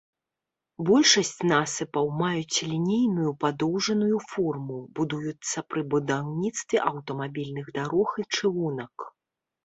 Большасць насыпаў маюць лінейную падоўжаную форму, будуюцца пры будаўніцтве аўтамабільных дарог і чыгунак.